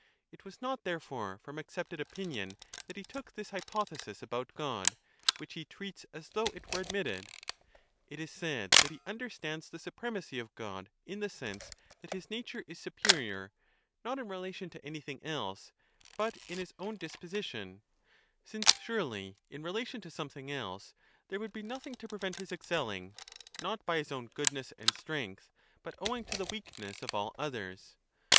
It was not, therefore, from accepted opinion that he took this 30 hypothesis about God, which he treats as though it were admitted. It is said that he understands the supremacy of God in the sense that his nature is superior, not in rela tion to anything else, but in his own disposition ; since surely in relation to something else there would be nothing to CHAPTER 4 977 t prevent his excelling, not by his own goodness and strength, but owing to the weakness of all others.